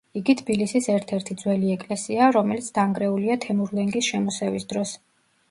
იგი თბილისის ერთ-ერთი ძველი ეკლესიაა, რომელიც დანგრეულია თემურლენგის შემოსევის დროს.